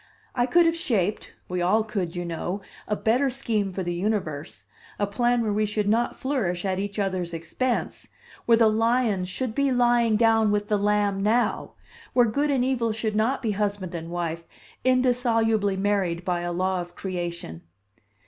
I could have shaped (we all could, you know) a better scheme for the universe, a plan where we should not flourish at each other's expense, where the lion should be lying down with the lamb now, where good and evil should not be husband and wife, indissolubly married by a law of creation.